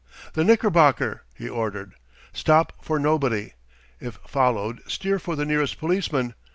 "The Knickerbocker," he ordered. "Stop for nobody. If followed steer for the nearest policeman.